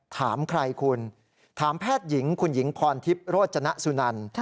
ถามใครคุณถามแพทย์หญิงคุณหญิงพรทิพย์โรจนสุนัน